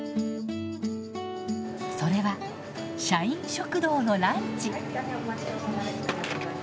それは社員食堂のランチ。